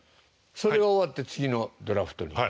それが終わって次のドラフトに。